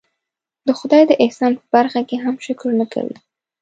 د خدای د احسان په برخه کې هم شکر نه کوي.